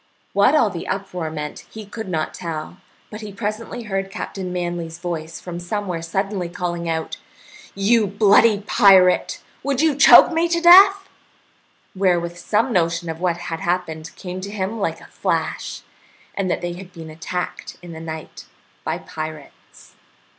What all the uproar meant he could not tell, but he presently heard Captain Manly's voice from somewhere suddenly calling out, "You bloody pirate, would you choke me to death?" wherewith some notion of what had happened came to him like a flash, and that they had been attacked in the night by pirates.